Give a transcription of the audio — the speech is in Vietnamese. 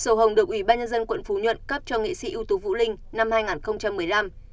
sổ hồng được ủy ban nhân dân quận phú nhuận cấp cho nghệ sĩ ưu tú vũ linh năm hai nghìn một mươi năm